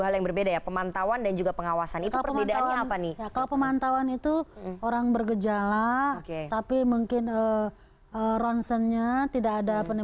lagi bang effendi